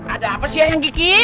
ada apa sih yang gigi